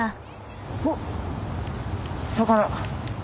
おっ魚！